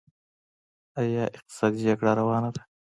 آیا اقتصادي جګړه روانه ده؟